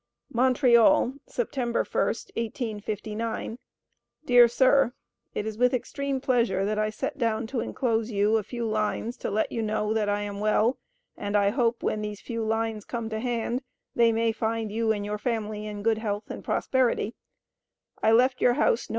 MONTREAL, September 1st 1859. DEAR SIR: It is with extreme pleasure that I set down to inclose you a few lines to let you know that I am well & I hope when these few lines come to hand they may find you & your family in good health and prosperity I left your house Nov.